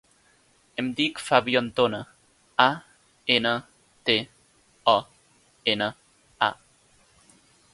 Em dic Fabio Antona: a, ena, te, o, ena, a.